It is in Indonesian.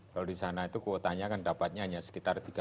kalau di sana itu kuotanya dapatnya hanya sekitar tiga puluh satu lima ratus